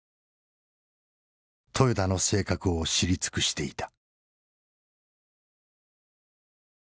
豊田の性格を知り尽くしていた。